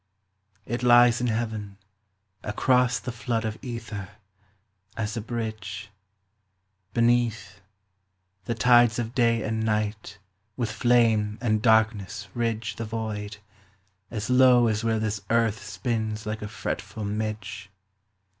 It lies in Heaven, across the flood Of ether, as a bridge. Beneath, the tides of day and night With flame and darkness ridge The void, as low as where this earth Spins like a fretful midge.